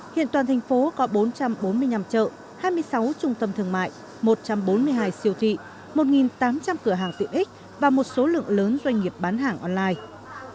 hiện toàn thành phố có bốn trăm bốn mươi năm chợ hai mươi sáu trung tâm thương mại một trăm bốn mươi hai siêu thị một tám trăm linh cửa hàng tiện ích và một số lượng lớn doanh nghiệp bán hàng online